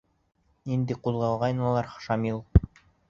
Инде ҡуҙғалғайнылар Шамил: